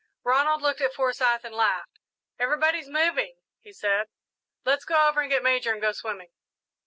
Ronald looked at Forsyth and laughed. "Everybody's moving," he said. "Let's go over and get Major and go swimming."